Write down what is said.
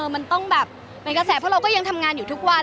มันกระแสเพราะเราก็ยังทำงานอยู่ทุกวัน